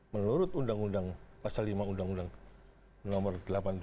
menurut undang undang pasal lima undang undang nomor delapan dua ribu sebelas